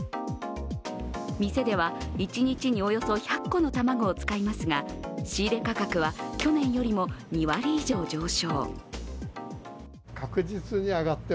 店では一日におよそ１００個の卵を使いますが、仕入れ価格は去年よりも２割以上上昇。